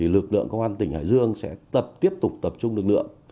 lực lượng công an tỉnh hải dương sẽ tập tiếp tục tập trung lực lượng